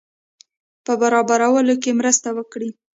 په برابرولو کې مرسته وکړي.